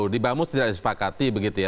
di bamus tidak disepakati begitu ya